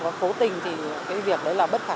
và cố tình thì cái việc đấy là bất khả